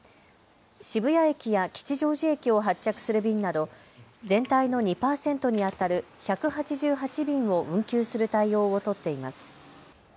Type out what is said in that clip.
渋谷駅や吉祥寺駅を発着する便など全体の２％にあたる１８８便を運休する対応を取っています。